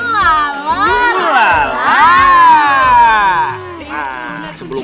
mana yang keren